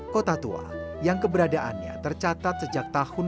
kota tua yang keberadaannya tercatat sejak tahun